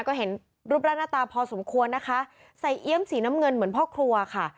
ก็เห็นรูปร่างหน้าตาพอสมควรนะคะใส่เอี๊ยมสีน้ำเงินเหมือนพ่อครัวค่ะ